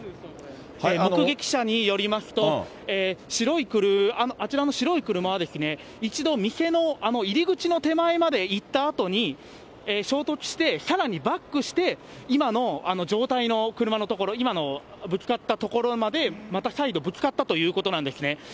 目撃者によりますと、あちらの白い車は、一度、店のあの入り口の手前まで行ったあとに、衝突して、さらにバックして、今のあの状態の車の所、今のぶつかった所まで、また再度ぶつかったということなんですね。